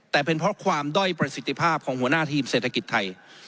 แต่เป็นเพราะความด้อยประสิทธิภาพของหัวหน้าทีมเศรษฐกิจไทย